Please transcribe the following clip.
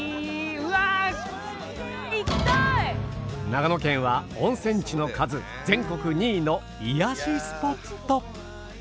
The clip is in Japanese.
長野県は温泉地の数全国２位の癒やしスポット。